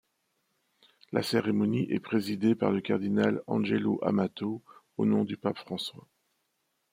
La cérémonie est présidée par le cardinal Angelo Amato, au nom du pape François.